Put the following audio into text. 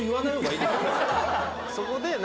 そこで。